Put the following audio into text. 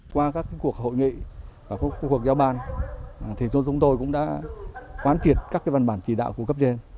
qua các cuộc hội nghị và các cuộc giao ban chúng tôi cũng đã quán triệt các văn bản chỉ đạo của cấp trên